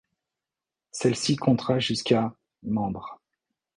Celle-ci comptera jusqu'à membres.